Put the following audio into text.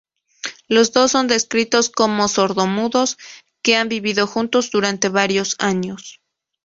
Los dos son descritos como sordomudos que han vivido juntos durante varios años.